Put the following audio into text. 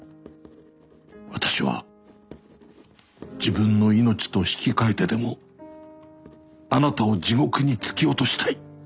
私は自分の命と引き換えてでもあなたを地獄に突き落としたい」。